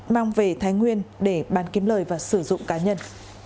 mang về thái nguyên để bán kiếm lời và sử dụng cá nhân